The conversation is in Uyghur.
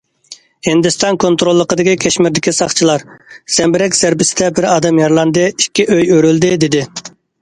ھىندىستان كونتروللۇقىدىكى كەشمىردىكى ساقچىلار: زەمبىرەك زەربىسىدە بىر ئادەم يارىلاندى، ئىككى ئۆي ئۆرۈلدى، دېدى.